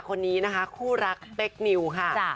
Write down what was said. คนนี้นะคะคู่รักเปคนิวค่ะ